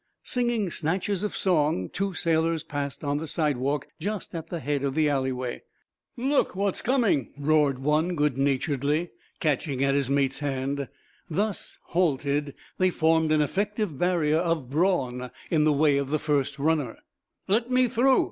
Singing snatches of song, two sailors passed on the sidewalk, just at the head of the alleyway. "Look what's coming," roared one, goodnaturedly, catching at his mate's hand. Thus, halted, they formed an effective barrier of brawn in the way of the first runner. "Let me through!